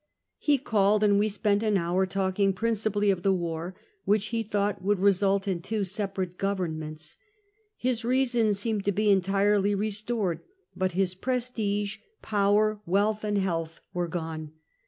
He called and we spent an hour talking, principally of the war, which he thought would result in two sep arate governments. His reason seemed to be en tirely restored; but his prestige, power, wealth and health were gone.